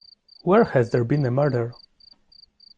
Where has there been a murder?